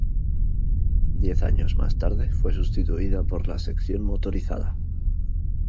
Diez años más tarde fue sustituida por la sección Motorizada.